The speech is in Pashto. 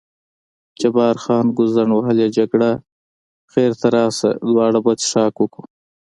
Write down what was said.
جبار خان: ګوزڼ وهلې جګړه، خیر ته راشه دواړه به څښاک وکړو.